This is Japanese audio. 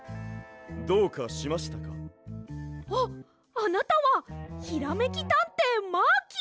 あっあなたはひらめきたんていマーキー！